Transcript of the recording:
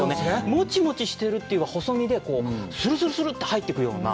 もちもちしてるというか、細身で、スルスルスルって入っていくような。